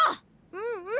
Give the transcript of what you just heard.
うんうん。